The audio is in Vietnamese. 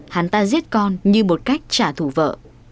hắn ta giết con như một cách trả thủ vợ